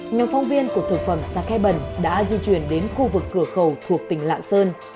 những phóng viên của thực phẩm sakebun đã di chuyển đến khu vực cửa khẩu thuộc tỉnh lạc